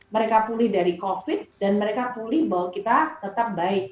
mereka pulih dari covid dan mereka pulih bahwa kita tetap baik